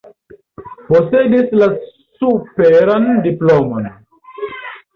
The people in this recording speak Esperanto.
Posedis la superan diplomon.